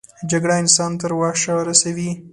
جګړه انسان تر وحشه رسوي